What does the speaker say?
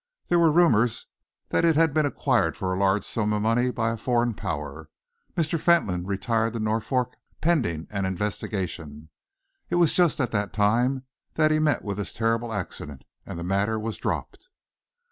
There were rumours that it had been acquired for a large sum of money by a foreign Power. Mr. Fentolin retired to Norfolk, pending an investigation. It was just as that time that he met with his terrible accident, and the matter was dropped."